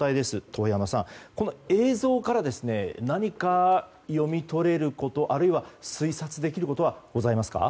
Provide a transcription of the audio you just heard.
遠山さん、この映像から何か読み取れることあるいは推察できることはございますか。